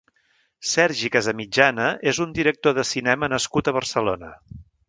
Sergi Casamitjana és un director de cinema nascut a Barcelona.